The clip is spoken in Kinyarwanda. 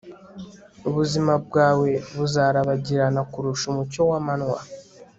ubuzima bwawe buzarabagirana kurusha umucyo w'amanywa